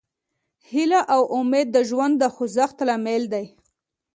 هیله او امید د ژوند د خوځښت لامل دی.